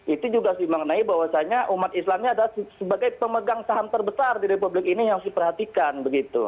itu juga harus dimaknai bahwasannya umat islamnya adalah sebagai pemegang saham terbesar di republik ini yang harus diperhatikan begitu